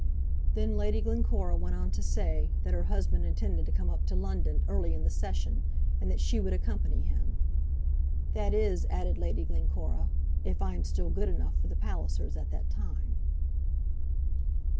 Then Lady Glencora went on to say, that her husband intended to come up to London early in the session, and that she would accompany him. "That is," added Lady Glencora, "if I am still good enough for the Pallisers at that time."